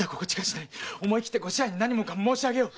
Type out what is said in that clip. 思い切って御支配に何もかも申しあげよう！